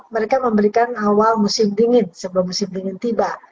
mereka memberikan awal musim dingin sebelum musim dingin tiba